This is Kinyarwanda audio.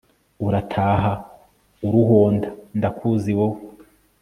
urataha uruhonda ndakuzi wowe